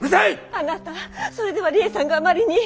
あなたそれでは梨江さんがあまりに。